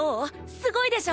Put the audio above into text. すごいでしょ？